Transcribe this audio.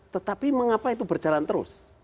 tetapi mengapa itu berjalan terus